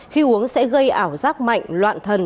khi uống sẽ gây ảo giác mạnh loạn thần